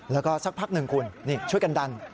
แล้วก็สักพักหนึ่งคุณนี่ช่วยกันดัน